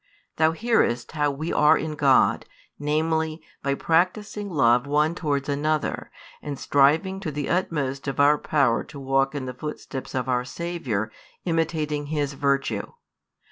Thou hearest how we are in God, namely, by practising love one towards another, and striving to the utmost of our power to walk in the footsteps of our Saviour, imitating His virtue.